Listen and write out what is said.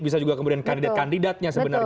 bisa juga kemudian kandidat kandidatnya sebenarnya